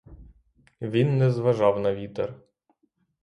Він не зважав на вітер.